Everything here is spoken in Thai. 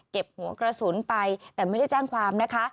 หัวกระสุนไปแต่ไม่ได้แจ้งความนะคะ